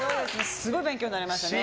すごい勉強になりましたね。